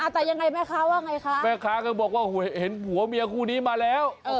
แต่ยังไงแม่ค้าว่าไงคะแม่ค้าก็บอกว่าเห็นผัวเมียคู่นี้มาแล้ว